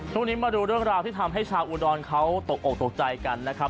ช่วงนี้มาดูเรื่องราวที่ทำให้ชาวอุดรเขาตกออกตกใจกันนะครับ